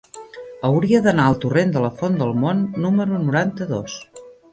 Hauria d'anar al torrent de la Font del Mont número noranta-dos.